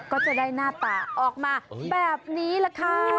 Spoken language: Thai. ก็จะได้หน้าตาออกมาแบบนี้แหละค่ะ